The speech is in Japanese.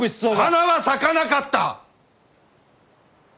花は咲かなかった！